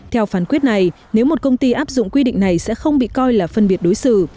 theo phán quyết này nếu một công ty áp dụng quy định này sẽ không bị coi là phân biệt đối xử